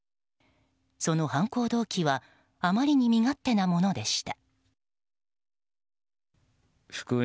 その犯行動機はあまりに身勝手なものでした。